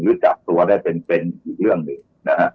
หรือจับตัวสวยได้เป็นเบนอีกเรื่องหนึ่ง